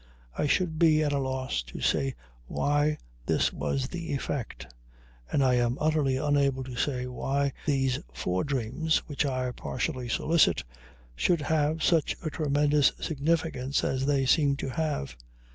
I should be at a loss to say why this was the effect, and I am utterly unable to say why these fore dreams, which I partially solicit, should have such a tremendous significance as they seem to have.